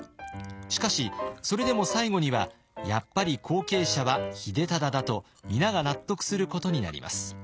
しかしそれでも最後にはやっぱり後継者は秀忠だと皆が納得することになります。